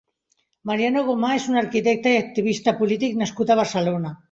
Mariano Gomà és un arquitecte i activista polític nascut a Barcelona.